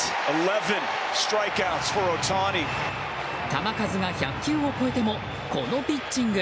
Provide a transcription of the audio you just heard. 球数が１００球を超えてもこのピッチング。